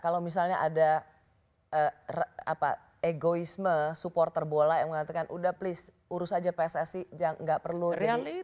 kalau misalnya ada egoisme supporter bola yang mengatakan udah please urus aja pssi nggak perlu ini